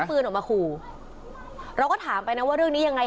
ปืนออกมาขู่เราก็ถามไปนะว่าเรื่องนี้ยังไง